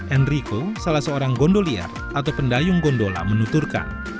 enrico salah seorang gondoliar atau pendayung gondola menuturkan